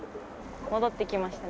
戻ってきましたね。